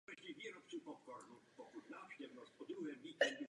Kostel je orientovaný k severu.